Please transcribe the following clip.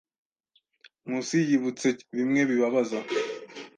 Nkusi yibutse bimwe bibabaza.